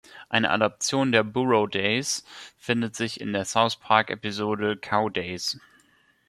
Eine Adaption der "Burro Days" findet sich in der South-Park-Episode „"Cow Days"“.